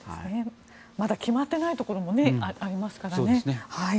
まだ決まってないところもありますからね。